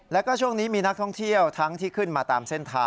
และก็ช่วงนี้มีนักท่องเที่ยวทั้งที่ขึ้นมา